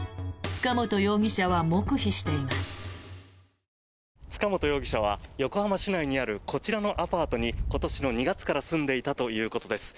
塚本容疑者は横浜市内にあるこちらのアパートに今年の２月から住んでいたということです。